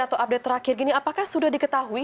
atau update terakhir gini apakah sudah diketahui